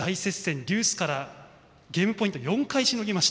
デュースからゲームポイント４回しのぎました。